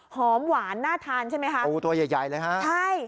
หอมหวานน่าทานใช่ไหมคะปูตัวใหญ่ใหญ่เลยฮะใช่